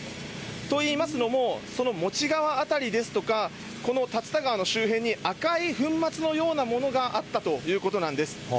といいますのも、そのもち川辺りですとか、この竜田川の周辺で赤い粉末のようなものがあったということなんです。